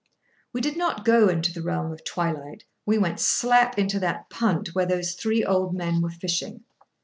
We did not go into the realm of twilight; we went slap into that punt, where those three old men were fishing.